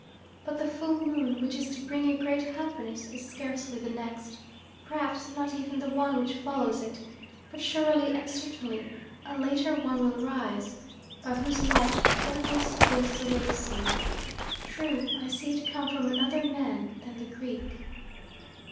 But the full moon which is to bring you great happiness is scarcely the next, perhaps not even the one which follows it, but surely and certainly a later one will rise, by whose light the utmost bliss awaits you. True, I see it come from another man than the Greek."